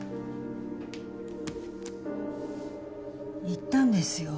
言ったんですよ